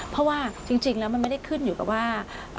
เพราะว่าจริงแล้วมันไม่ได้ขึ้นอยู่กับว่า